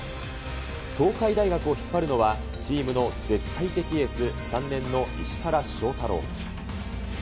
東海大学を引っ張るのは、チームの絶対的エース、３年の石原翔太郎。